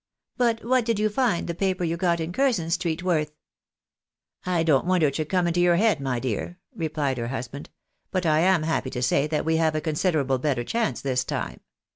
but what did you find the paper you got in Curzon street worth ?"" I don't wonder it should come into your head, my dear," THE BAKNABYS IN AMERICA. replied lier husband :" but I am happy to say that we have a consider ably better chance this time.